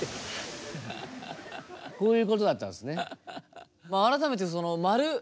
こういうことだったんですね。